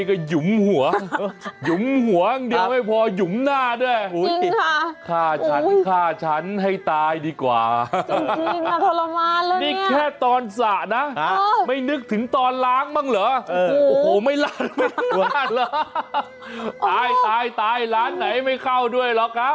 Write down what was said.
้าห์ตายล้านไหนไม่เข้าด้วยหรอกครับ